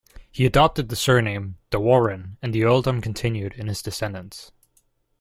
He adopted the surname "de Warenne", and the earldom continued in his descendants.